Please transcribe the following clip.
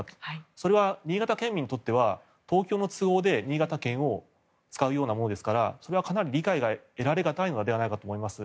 それは新潟県民にとっては東京の都合で新潟県を使うようなものですからそれはかなり理解が得られ難いのではないかと思います。